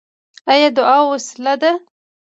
آیا دعا وسله ده؟